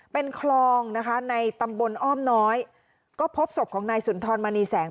เป็นคลองนะคะในตำบลอ้อมน้อยก็พบศพของนายสุนทรมณีแสง